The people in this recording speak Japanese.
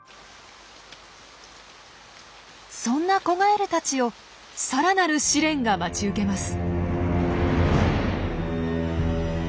そんな子ガエルたちをさらなる試練が待ち受けます。